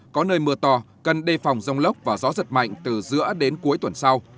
có nơi mưa to cần đề phòng rông lốc và gió giật mạnh từ giữa đến cuối tuần sau